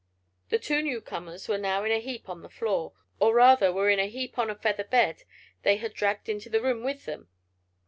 The two newcomers were now in a heap on the floor, or rather were in a heap on a feather bed they had dragged into the room with them.